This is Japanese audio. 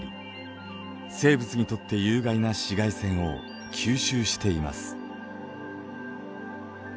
生物にとって有害な紫外線を吸収しています。